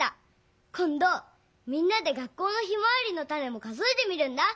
こんどみんなで学校のヒマワリのタネも数えてみるんだ。